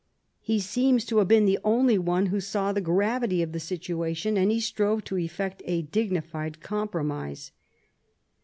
He seems to have been the only one who saw the gravity of the situation, and he strove to effect a dignified compromise.